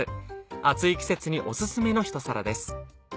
暑い季節にオススメのひと皿です。